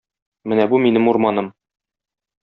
Менә бу минем урманым.